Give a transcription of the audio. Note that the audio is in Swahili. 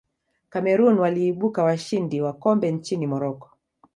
cameroon waliibuka washindi wa kombe nchini morocco